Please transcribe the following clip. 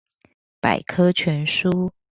百科全書